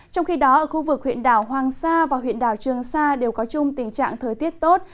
trong khi đó ở khu vực huyện đảo hoàng sa và huyện đảo trường sa đều có chung tình trạng thời tiết tốt